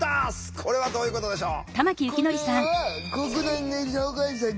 これはどういうことでしょう？